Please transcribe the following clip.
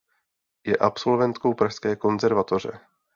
Je absolventkou pražské konzervatoře.